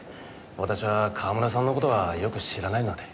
私は川村さんの事はよく知らないので。